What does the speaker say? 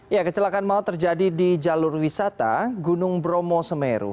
ya kecelakaan maut terjadi di jalur wisata gunung bromo semeru